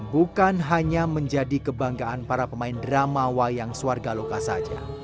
bukan hanya menjadi kebanggaan para pemain drama wayang suarga loka saja